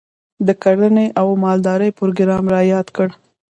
د کرنې او مالدارۍ پروګرام رایاد کړ.